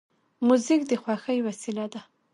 موزیک د خوښۍ وسیله ده.